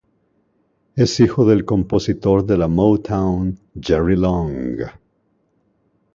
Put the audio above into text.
Es hijo del compositor de la Motown Jerry Long.